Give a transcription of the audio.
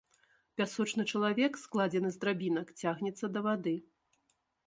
Пясочны чалавек, складзены з драбінак, цягнецца да вады.